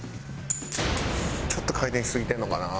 ちょっと回転しすぎてんのかな？